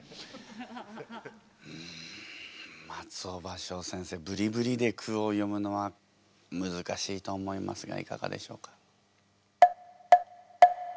うん松尾葉翔先生「ブリブリ」で句を詠むのはむずかしいと思いますがいかがでしょうか。